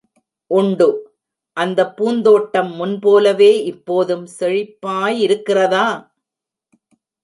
உண்டு.... அந்தப் பூந்தோட்டம் முன்போலவே இப்போதும் செழிப்பாயிருக்கிறதா?